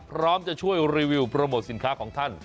พร้อมจะช่วยรีวิวโปรโมทสินค้าของท่าน